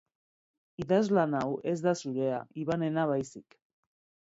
Idazlan hau ez da zurea Ivanena baizik.